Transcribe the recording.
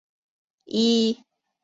一般外族。